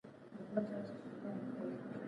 دا شبکه په دوه زره دولسم کال کې تاسیس شوه.